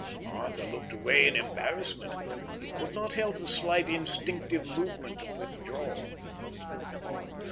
Arthur looked away in embarrassment. He could not help a slight, instinctive movement of withdrawal.